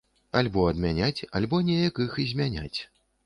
Альбо адмяняць, альбо неяк іх змяняць.